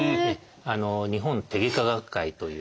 「日本手外科学会」という。